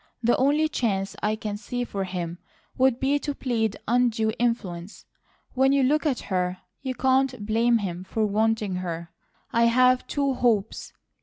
The only chance I can see for him would be to plead undue influence. When you look at her, you can't blame him for wanting her. I've two hopes.